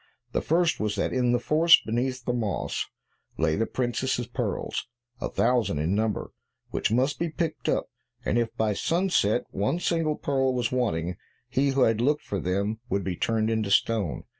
The first was that in the forest, beneath the moss, lay the princess's pearls, a thousand in number, which must be picked up, and if by sunset one single pearl was wanting, he who had looked for them would be turned into stone.